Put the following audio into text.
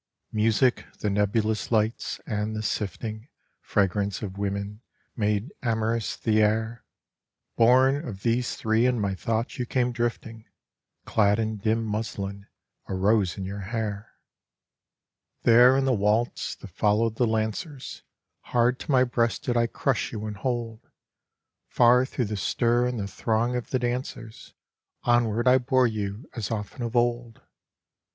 Music, the nebulous lights, and the sifting Fragrance of women made amorous the air; Born of these three and my thoughts you came drifting, Clad in dim muslin, a rose in your hair. There in the waltz, that followed the lancers, Hard to my breast did I crush you and hold; Far through the stir and the throng of the dancers Onward I bore you as often of old.